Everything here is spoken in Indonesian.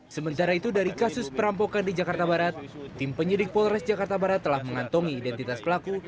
sementara itu dari kasus perampokan di jakarta barat tim penyidik polres jakarta barat telah mengantongi identitas pelaku